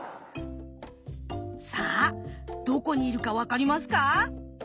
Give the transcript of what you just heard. さあどこにいるか分かりますか。